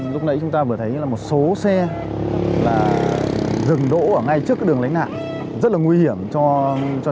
lúc nãy chúng ta vừa thấy là một số xe dừng đỗ ở ngay trước đường lánh nạn rất là nguy hiểm cho cho